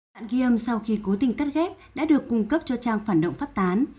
đạn ghi âm sau khi cố tình cắt ghép đã được cung cấp cho trang phản động phát tán